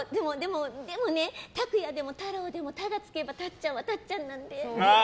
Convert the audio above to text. でもね、タクヤでもタロウでも「た」がつけばタッちゃんはタッちゃんなんで。